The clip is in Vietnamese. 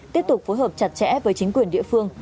tiếp tục phối hợp chặt chẽ với chính quyền địa phương